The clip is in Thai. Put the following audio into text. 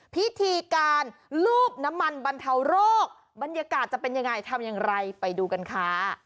พิธีการลูบน้ำมันบรรเทาโรคบรรยากาศจะเป็นยังไงทำอย่างไรไปดูกันค่ะ